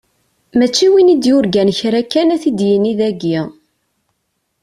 Mačči win i d-yurgan kra kan, ad t-id-yini dayi.